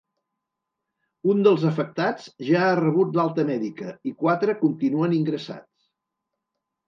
Un dels afectats ja ha rebut l’alta mèdica i quatre continuen ingressats.